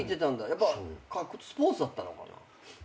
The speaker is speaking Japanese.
やっぱスポーツだったのかな。